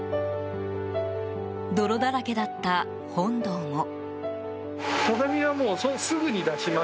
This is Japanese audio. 泥だらけだった本堂も。